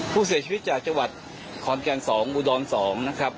ผู้เสียชีวิตจากจังหวัดขอนแก่น๒อุดร๒นะครับ